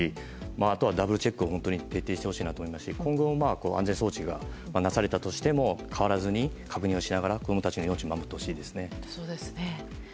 あとはダブルチェックを徹底してほしいと思いますし今後、安全装置がなされたとしても変わらずに確認しながら子供たちの命を守ってほしいですね。